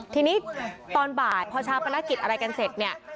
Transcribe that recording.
ทีนี้ตอนบ่ายพอชาปนกิจอะไรกันเสร็จเนี่ย